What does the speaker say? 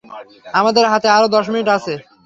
আমাদের হাতে আরও দশ মিনিট আছে।